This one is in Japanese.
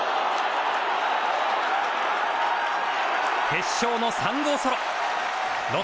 決勝の３号ソロ。